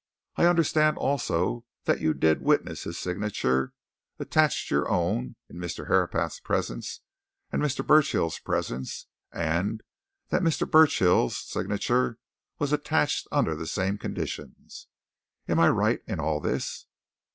I understand also that you did witness his signature, attached your own, in Mr. Herapath's presence and Mr. Burchill's presence, and that Mr. Burchill's signature was attached under the same conditions. Am I right in all this?"